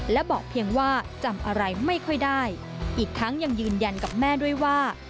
และบอกเพียงว่าจำอะไรไม่ค่อยได้อีกทั้งยังยืนยันกับแม่ด้วยว่า